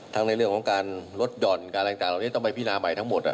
ทั้งในเรื่องของการลดยอดการอะไรต่างต้องไปพินาใหม่ทั้งหมด